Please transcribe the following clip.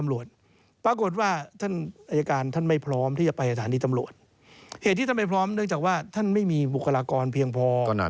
เห็นว่าท่านยกตัวอย่างกรณีที่หมู่บ้านน้ำเพียงดิ้น